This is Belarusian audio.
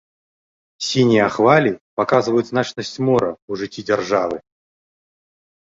Сінія хвалі паказваюць значнасць мора ў жыцці дзяржавы.